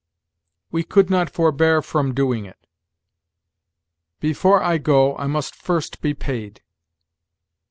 "We could not forbear from doing it." "Before I go, I must first be paid."